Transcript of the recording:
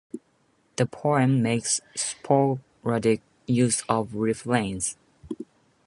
The poem makes sporadic use of refrains.